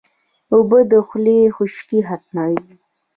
اوبه د خولې خشکي ختموي